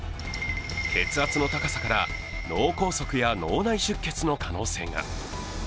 血圧の高さから、脳梗塞や脳内出血の可能性が。